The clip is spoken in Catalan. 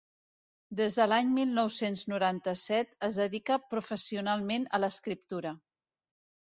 Des de l’any mil nou-cents noranta-set es dedica professionalment a l’escriptura.